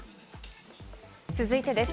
続いてです。